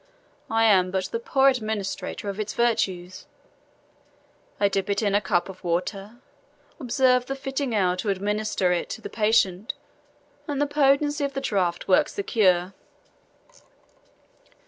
I am but the poor administrator of its virtues. I dip it in a cup of water, observe the fitting hour to administer it to the patient, and the potency of the draught works the cure."